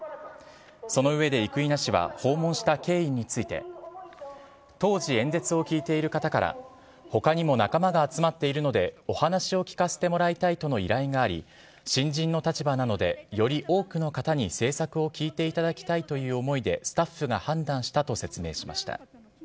その上で生稲氏は訪問した経緯について当時、演説を聞いている方から他にも仲間が集まっているのでお話を聞かせてもらいたいとの依頼があり新人の立場なのでより多くの方に政策を聞いていただきたいという思いでスタッフが判断したと説明しました。